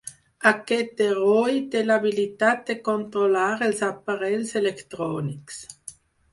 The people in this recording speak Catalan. Aquest heroi té l'habilitat de controlar els aparells electrònics.